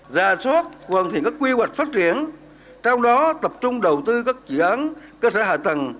ra soát hoàn thiện các quy hoạch phát triển trong đó tập trung đầu tư các dự án cơ sở hạ tầng